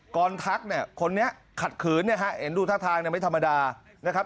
กรทักคนนี้ขัดขืนดูท่าทางไม่ธรรมดานะครับ